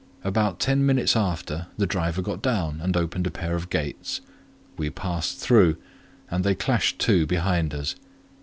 About ten minutes after, the driver got down and opened a pair of gates: we passed through, and they clashed to behind us.